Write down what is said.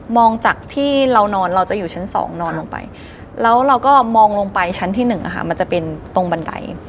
จากที่เรานอนเราจะอยู่ชั้น๒นอนลงไปแล้วเราก็มองลงไปชั้นที่๑มันจะเป็นตรงบันได